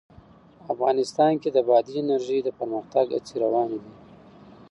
افغانستان کې د بادي انرژي د پرمختګ هڅې روانې دي.